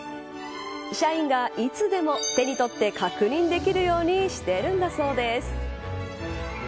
社員がいつでも手にとって確認できるようにしているんだそうです。